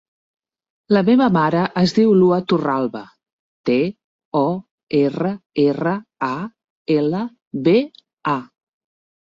La meva mare es diu Lua Torralba: te, o, erra, erra, a, ela, be, a.